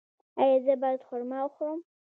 ایا زه باید خرما وخورم؟